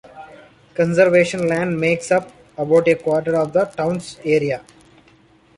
Conservation land makes up about a quarter of the town's area.